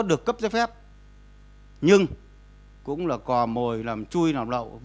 được cấp giấy phép nhưng cũng là cò mồi làm chui nọc lậu